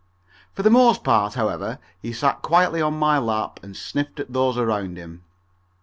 For the most part, however, he sat quietly on my lap and sniffed at those around him.